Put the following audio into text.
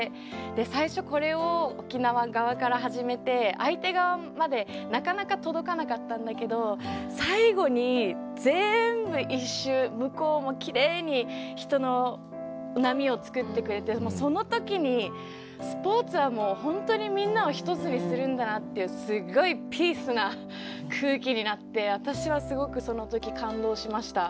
で最初これを沖縄側から始めて相手側までなかなか届かなかったんだけど最後に全部一周向こうもきれいに人の波を作ってくれてその時にスポーツは本当にみんなを一つにするんだなってすっごいピースな空気になって私はすごくその時感動しました。